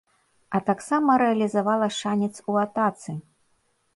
А таксама рэалізавала шанец у атацы.